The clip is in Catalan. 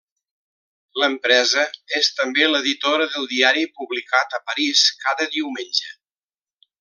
L'empresa és també l'editora del diari publicat a París cada diumenge.